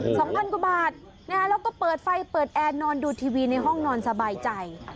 สองพันกว่าบาทนะฮะแล้วก็เปิดไฟเปิดแอร์นอนดูทีวีในห้องนอนสบายใจ